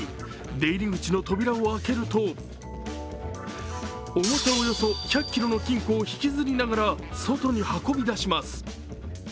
出入り口の扉を開けると重さおよそ１００ｋｇの金庫を引きずりながら外に運び出します。